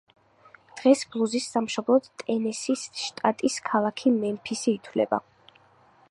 დღეს ბლუზის სამშობლოდ ტენესის შტატის ქალაქი მემფისი ითვლება.